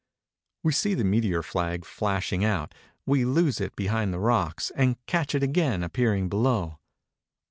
We see the meteor flag flashing out, we lose it behind the rocks, and catch it again appearing below.